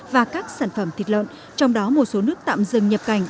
và các sản phẩm thịt lợn trong đó một số nước tạm dừng nhập cảnh